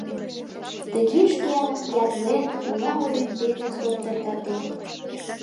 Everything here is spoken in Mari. Тыге шкемым ятлен, ола урем дене соптыртатем.